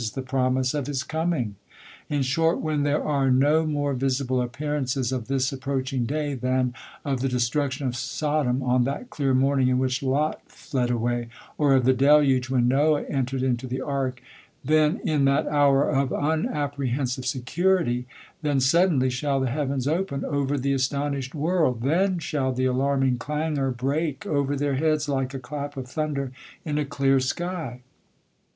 th^' promise of his coming ?" In short, when there are no more visible appearances of this approaching day, than of the destruction of Sodom, on that clear morning in which Lot fled away ; or of the deluge, when Noah en I ter^d I 93 THE COLUMBIAN ORATOR. tered into die ark : ihcn, in that liour of unapprehensive security, then suddenly shall the heavens open over the astonished world; then shall the alarming clangor break. over their heads like a clap of thunder in a clear sky.